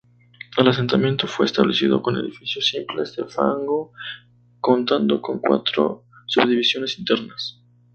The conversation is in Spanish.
El asentamiento fue establecido con edificios simples de fango contando con cuatro subdivisiones internas.